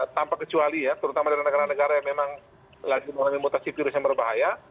tanpa kecuali ya terutama dari negara negara yang memang lagi mengalami mutasi virus yang berbahaya